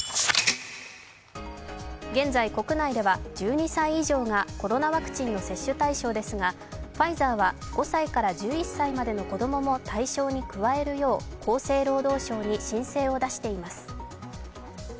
現在、国内では１２歳以上がコロナワクチンの接種対象ですがファイザーは５歳から１１歳までの子供も対象に加えるよう、厚生労働省に申請を出しています。